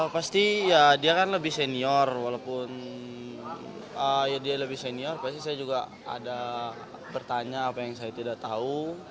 pasti ya dia kan lebih senior walaupun ya dia lebih senior pasti saya juga ada bertanya apa yang saya tidak tahu